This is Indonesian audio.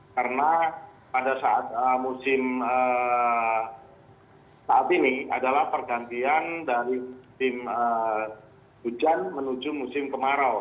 karena pada saat musim saat ini adalah pergantian dari musim hujan menuju musim kemarau